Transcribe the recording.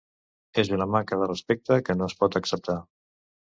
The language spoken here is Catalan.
És una manca de respecte que no es pot acceptar.